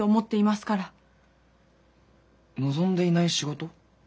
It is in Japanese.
望んでいない仕事？